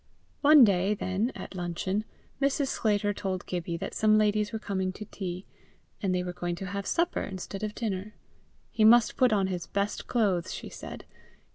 One day, then, at luncheon, Mrs. Sclater told Gibbie that some ladies were coming to tea, and they were going to have supper instead of dinner. He must put on his best clothes, she said.